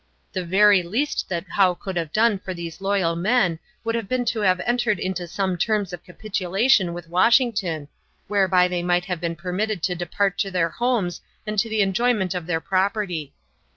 The very least that Howe could have done for these loyal men would have been to have entered into some terms of capitulation with Washington, whereby they might have been permitted to depart to their homes and to the enjoyment of their property.